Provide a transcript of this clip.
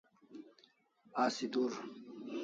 Asi dur